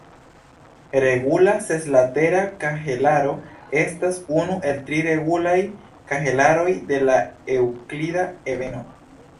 Regula seslatera kahelaro estas unu el tri regulaj kahelaroj de la eŭklida ebeno.